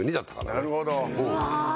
なるほど。